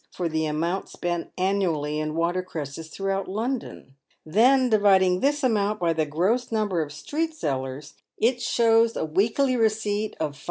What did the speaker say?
for the amount spent annually in water cresses throughout London; then, dividing this amount by the gross number of street sellers, it shows a weekly receipt of 5s.